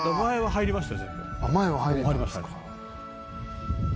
「入れました」